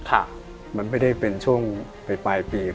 ค่ะมันไม่ได้เป็นช่วงปลายปี